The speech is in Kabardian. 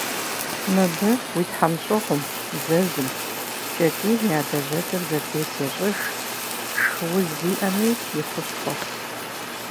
Мыбы уи тхьэмщӏыгъум, зэзым, кӏэтӏийм я лэжьэкӏэр зэтес ещӏыж, шхыуз зиӏэми и хущхъуэщ.